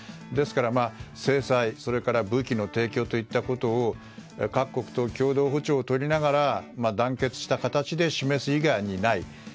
ですから制裁武器の提供といったことを各国と共同歩調をとりながら団結した形で示す以外にない。